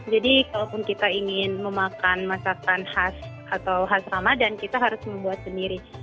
jadi kalau kita ingin memakan masakan khas atau khas ramadhan kita harus membuat sendiri